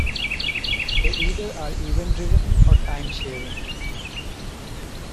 They either are event driven or time sharing.